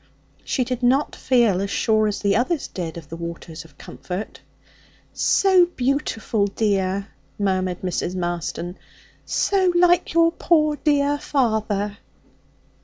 She did not feel as sure as the others did of the waters of comfort. 'So beautiful, dear,' murmured Mrs. Marston, 'so like your poor dear father.'